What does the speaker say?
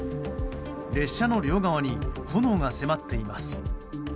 列車の両側に炎が迫っています。